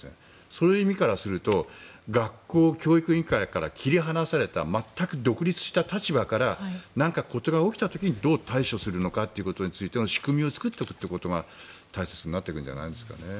そういう意味からすると学校教育委員会から切り離された全く独立した立場から何か事が起きた時にどう対処するのかということについての仕組みを作っておくことが大切になってくるんじゃないですかね。